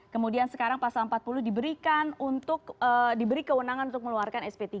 kemudian sekarang pasal empat puluh diberikan untuk diberi kewenangan untuk meluarkan sp tiga